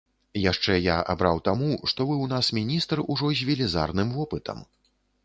Яшчэ я абраў таму, што вы ў нас міністр ужо з велізарным вопытам.